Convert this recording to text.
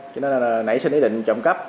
cho nên là nảy sinh ý định trọng cấp